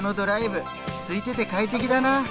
すいてて快適だな。